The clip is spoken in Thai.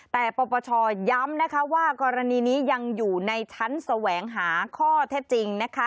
แต่ประปเชิญย้ำว่ากรณีนี้ยังอยู่ในชั้นแสวงหาข้อเท็จจริง